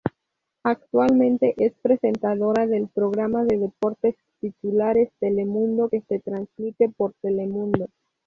Actualmente es presentadora del programa de deportes "Titulares Telemundo" que se transmite por Telemundo.